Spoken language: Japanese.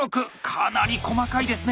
かなり細かいですね。